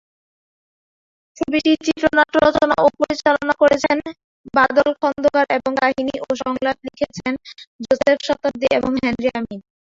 ছবিটির চিত্রনাট্য রচনা ও পরিচালনা করেছেন বাদল খন্দকার এবং কাহিনী ও সংলাপ লিখেছেন জোসেফ শতাব্দী এবং হেনরি আমিন।